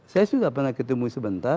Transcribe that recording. saya sudah pernah ketemu sebentar